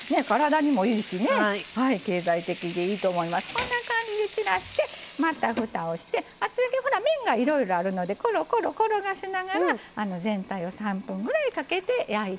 こんな感じで散らしてまたふたをして厚揚げほら面がいろいろあるのでコロコロ転がしながら全体を３分ぐらいかけて焼いて下さい。